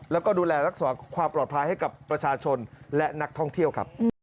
แล้วก็ดูแลรักษาความปลอดภัยให้กับประชาชนและนักท่องเที่ยวครับ